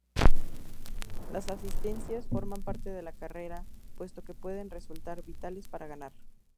Las asistencias forman parte de la carrera puesto que pueden resultar vitales para ganar.